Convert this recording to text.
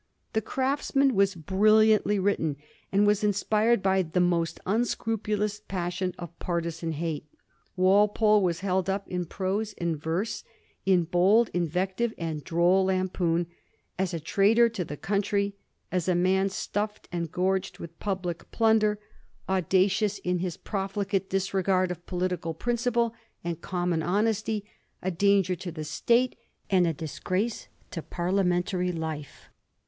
The Craftsman was brilliantly written, and was inspired by the most unscrupulous passion of partisan hate. Walpole was held up in prose and verse, in bold iavective and droll lampoon, as a traitor to the country ; as a man stuffed and gorged with public plunder, audacious in his Digiti zed by Google 342 A HISTORY OF THE FOUR GEORGES. ch. xvi. profligate disregard of political principle aad common honesty, a danger to the State and a disgrace to Par liamentary life.